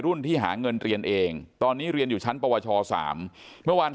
ที่หาเงินเรียนเองตอนนี้เรียนอยู่ชั้นปวช๓เมื่อวาน